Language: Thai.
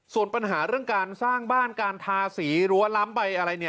ส่วนปัญหาเรื่องการสร้างบ้านการทาสีรั้วล้ำใบอะไร